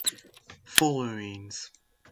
Fullerenes.